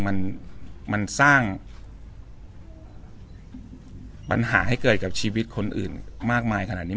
มันมันสร้างปัญหาให้เกิดกับชีวิตคนอื่นมากมายขนาดนี้